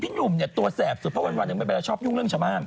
พี่หนุ่มเนี่ยตัวแสบสุดเพราะวันมันไปแล้วชอบยุ่งเรื่องฉมาม